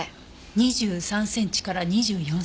２３センチから２４センチ。